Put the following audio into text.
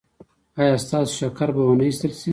ایا ستاسو شکر به و نه ویستل شي؟